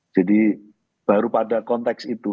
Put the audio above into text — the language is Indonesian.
jadi baru pada konteks itu